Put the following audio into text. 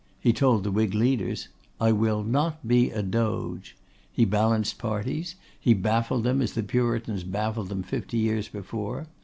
He told the Whig leaders, "I will not be a Doge." He balanced parties; he baffled them as the Puritans baffled them fifty years before.